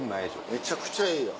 めちゃくちゃええやん。